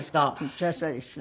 そりゃそうですね。